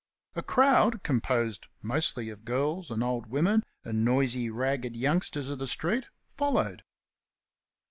A crowd, composed mostly of girls and old women and noisy, ragged youngsters of the street, followed.